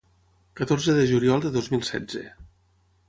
Catorze de juliol de dos mil setze.